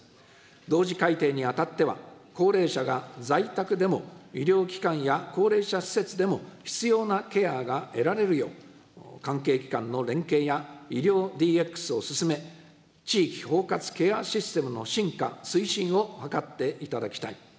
同時改定にあたっては、高齢者が在宅でも、医療機関や高齢者施設でも必要なケアが得られるよう、関係機関の連携や医療ＤＸを進め、地域包括ケアシステムの深化・推進を図っていただきたい。